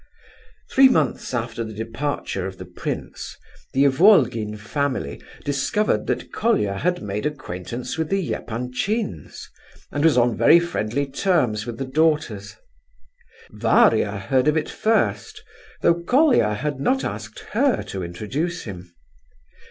Three months after the departure of the prince, the Ivolgin family discovered that Colia had made acquaintance with the Epanchins, and was on very friendly terms with the daughters. Varia heard of it first, though Colia had not asked her to introduce him.